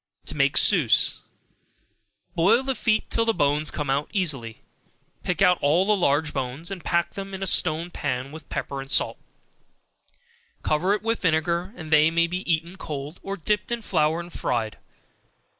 To make Souse. Boil the feet till the bones come out easily, and pick out all the large bones, pack them in a stone pan with pepper and salt, and cover it with vinegar, they may be eaten cold, or dipped in flour and fried.